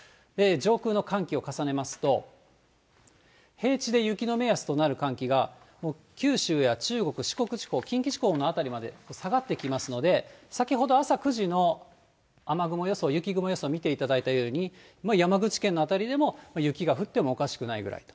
上空の寒気を重ねますと、平地で雪の目安となる寒気が、九州や中国、四国地方、近畿地方の辺りまで下がってきますので、先ほど、朝９時の雨雲予想、雪雲予想見ていただいたように、山口県の辺りでも雪が降ってもおかしくないぐらいと。